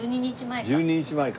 １２日前か。